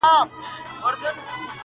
نه په بګړۍ نه په تسپو نه په وینا سمېږي!!